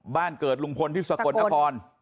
บ้านเกิดลุงพลที่สกลนคร